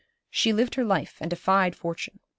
She lived her life, and defied fortune.